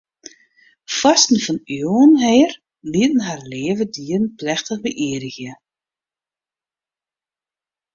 Foarsten fan iuwen her lieten har leave dieren plechtich beïerdigje.